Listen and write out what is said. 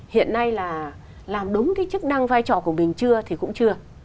hiện nay là làm đúng cái chức năng vai trò của mình chưa thì cũng chưa